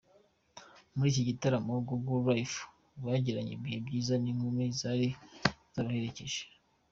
Muri iki gitaramo ,Good Lyfe bagiranye ibihe byiza n’inkumi zari zabaherekeje.